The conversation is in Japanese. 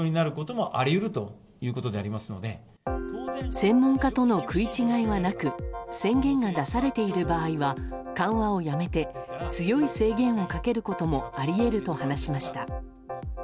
専門家との食い違いがなく宣言が出されている場合は緩和をやめて強い制限をかけることもあり得ると話しました。